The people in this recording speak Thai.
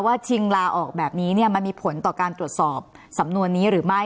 ชิงลาออกแบบนี้มันมีผลต่อการตรวจสอบสำนวนนี้หรือไม่